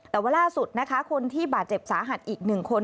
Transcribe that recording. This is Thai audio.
แต่ว่าล่าสุดนะคะคนที่บาดเจ็บสาหัสอีก๑คน